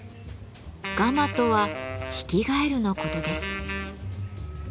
「ガマ」とはヒキガエルのことです。